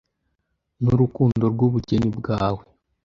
n’urukundo rw’ubugeni bwawe,